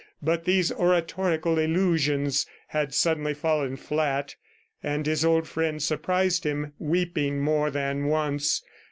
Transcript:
But these oratorical illusions had suddenly fallen flat, and his old friend surprised him weeping more than once.